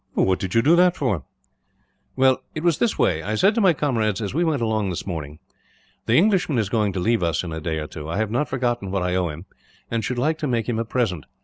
"What did you do that for?" "Well, it was this way. I said to my comrades, as we went along this morning: "'The Englishman is going to leave us, in a day or two. I have not forgotten what I owe him, and should like to make him a present.